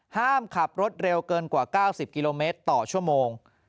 ห้ามขับรถเร็วเกินกว่า๙๐กิโลเมตรต่อชั่วโมง